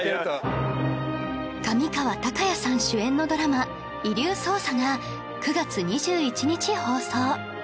上川隆也さん主演のドラマ『遺留捜査』が９月２１日放送